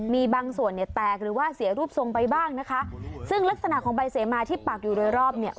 มีบางส่วนเนี่ยแตกหรือว่าเสียรูปทรงไปบ้างนะคะซึ่งลักษณะของใบเสมาที่ปากอยู่โดยรอบเนี่ย